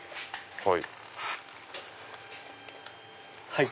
はい。